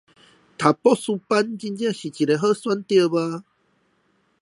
就讀博士班真的是個好選擇嗎